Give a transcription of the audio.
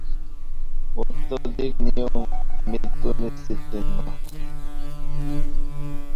অত্যধিক নিয়ম মৃত্যুর নিশ্চিত চিহ্ন।